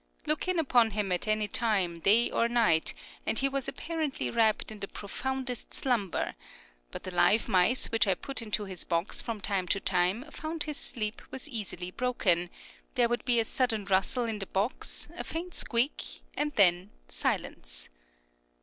Look in upon him at any time, night or day, and he was apparently wrapped in the profoundest slumber; but the live mice which I put into his box from time to time found his sleep was easily broken; there would be a sudden rustle in the box, a faint squeak, and then silence.